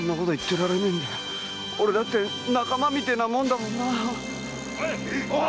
俺だって仲間みてえなもんだもんなぁ。